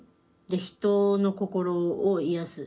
で人の心を癒す。